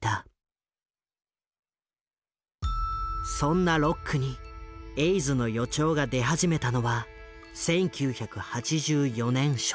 そんなロックにエイズの予兆が出始めたのは１９８４年初頭。